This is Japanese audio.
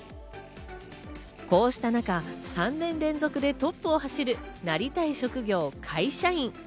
こうした中、３年連続でトップを走る、なりたい職業「会社員」。